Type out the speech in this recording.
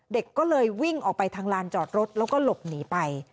เด็กก็เลยวิ่งออกไปทางลานจอดรถแล้วก็หลบหนีไป